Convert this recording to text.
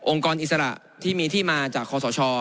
องค์กรอิสระที่มีที่มาจากขอสอชอ